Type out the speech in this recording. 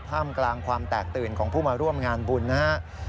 ท่ามกลางความแตกตื่นของผู้มาร่วมงานบุญนะครับ